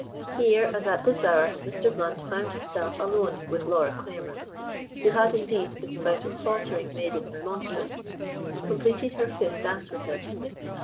Here, and at this hour, Mr. Blount found himself alone with Laura Claremont, who had indeed, in spite of faltering maiden remonstrance, completed her fifth dance with him.